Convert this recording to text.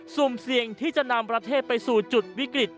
สุ่มเสี่ยงที่จะนำประเทศไปสู่จุดวิกฤต